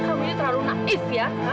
kamu ini terlalu naik